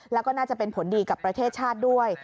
แล้วก็น่าจะเป็นผลดีกับประเทศชาติด้วย